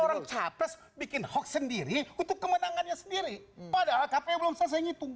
orang capres bikin hoax sendiri untuk kemenangannya sendiri padahal kpu belum selesai ngitung